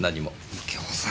右京さん！